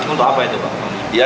untuk apa itu